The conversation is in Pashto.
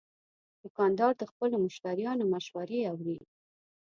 دوکاندار د خپلو مشتریانو مشورې اوري.